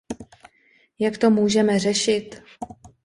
Jak to můžeme řešit?